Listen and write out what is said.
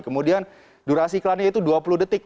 kemudian durasi iklannya itu dua puluh detik